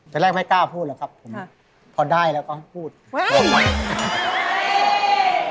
แรกไม่กล้าพูดหรอกครับผมพอได้แล้วก็พูดพูด